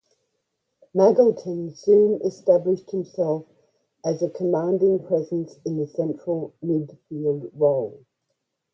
Magilton soon established himself as a commanding presence in the central midfield role.